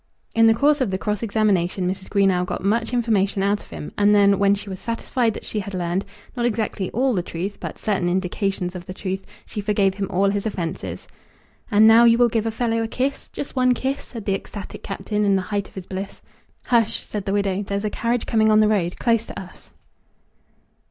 In the course of the cross examination Mrs. Greenow got much information out of him; and then, when she was satisfied that she had learned, not exactly all the truth, but certain indications of the truth, she forgave him all his offences. "And now you will give a fellow a kiss, just one kiss," said the ecstatic Captain, in the height of his bliss. "Hush!" said the widow, "there's a carriage coming on the road close to us."